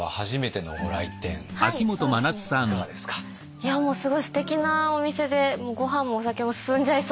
いやもうすごいすてきなお店でごはんもお酒も進んじゃいそうな。